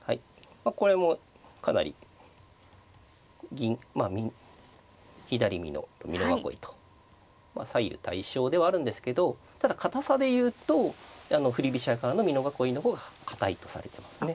まあこれもかなり左美濃と美濃囲いと左右対称ではあるんですけどただ堅さで言うと振り飛車側の美濃囲いの方が堅いとされてますね。